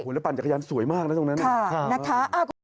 หัวละปั่นจักรยานสวยมากนะตรงนั้นเนี่ยค่ะมาก